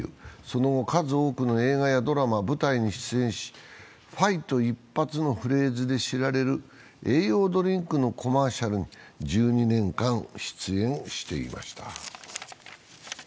その後、数多くの映画やドラマ、舞台に出演し「ファイト！一発！」のフレーズで知られる栄養ドリンクのコマーシャルに１２年間出演していました。